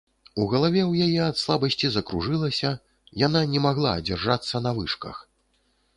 У галаве ў яе ад слабасці закружылася, яна не магла адзержацца на вышках.